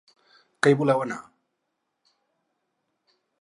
Que hi voleu anar?